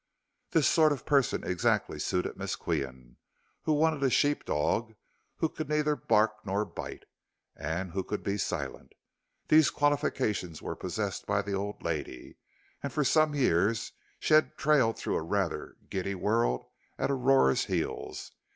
This sort of person exactly suited Miss Qian, who wanted a sheep dog who could neither bark nor bite, and who could be silent. These qualifications were possessed by the old lady, and for some years she had trailed through a rather giddy world at Aurora's heels.